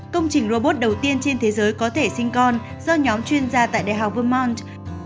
công trình robot đầu tiên trên thế giới có thể sinh con do nhóm chuyên gia tại đại học vermont